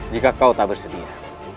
jika kau tak bersedia